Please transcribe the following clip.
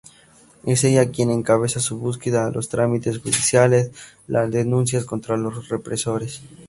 Es ella quien encabeza su búsqueda, los trámites judiciales, las denuncias contra los represores.